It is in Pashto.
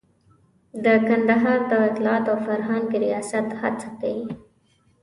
د کندهار د اطلاعاتو او فرهنګ ریاست په هڅه کې.